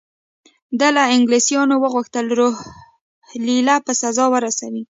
ده له انګلیسیانو وغوښتل روهیله په سزا ورسوي.